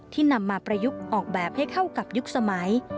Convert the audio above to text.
นำมาประยุกต์ออกแบบให้เข้ากับยุคสมัย